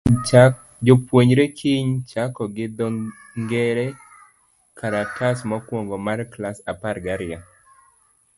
Jopuonjre kiny chako gi dho ngere karatas mokuongo mar klas apar gi ariyo.